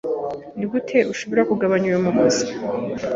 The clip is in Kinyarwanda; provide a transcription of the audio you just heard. Nigute ushobora kugabanya uyu mugozi?